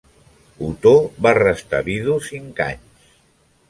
Otó va restar vidu cinc anys.